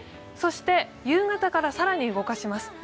そして、夕方から更に動かします。